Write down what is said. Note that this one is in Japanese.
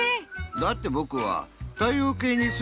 だってぼくは太陽けいにすんでるんだし。